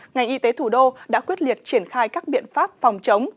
ngành y tế thủ đô đã quyết liệt triển khai các biện pháp phòng chống